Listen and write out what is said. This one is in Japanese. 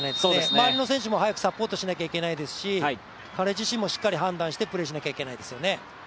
周りの選手も早くサポートしないといけないですし彼自身もしっかり判断してプレーしないといけないですよね。